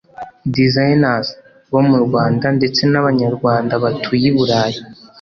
designers) bo mu Rwanda ndetse n’abanyarwanda batuye i Burayi